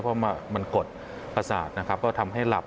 เพราะมันกดประสาทก็ทำให้หลับ